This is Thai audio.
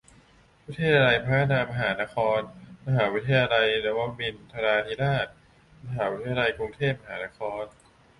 วิทยาลัยพัฒนามหานคร มหาวิทยาลัยนวมินทราธิราช มหาวิทยาลัยกรุงเทพมหานคร